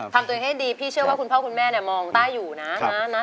ทำตัวเองให้ดีพี่เชื่อว่าคุณพ่อคุณแม่เนี่ยมองต้าอยู่นะนะ